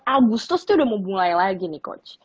agustus tuh udah mau mulai lagi nih coach